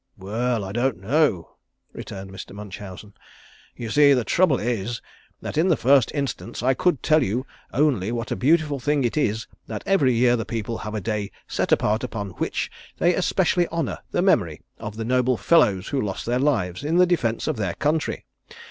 "Well, I don't know," returned Mr. Munchausen. "You see the trouble is that in the first instance I could tell you only what a beautiful thing it is that every year the people have a day set apart upon which they especially honour the memory of the noble fellows who lost their lives in defence of their country.